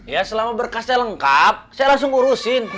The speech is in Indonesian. ya selama berkasnya lengkap saya langsung urusin